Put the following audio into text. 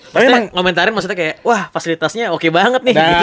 maksudnya komentarin maksudnya kayak wah fasilitasnya oke banget nih